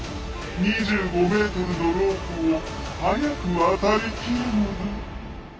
２５ｍのロープを速く渡りきるのだ。